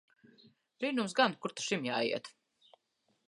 Brīnums gan! Kur ta šim jāiet!